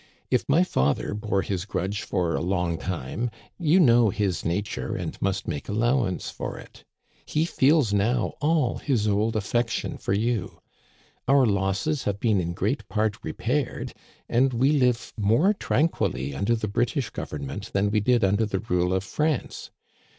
If my father bore his grudge for a long time, you know his nature and must make allow ance for it He feels now all his old affection for you. Our losses have been in great part repaired, and we live more tranquilly under the British Government than we did under the rule of France.